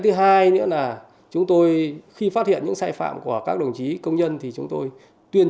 thứ hai nữa là chúng tôi khi phát hiện những sai phạm của các đồng chí công nhân thì chúng tôi tuyên